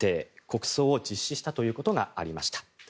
国葬を実施したということがありました。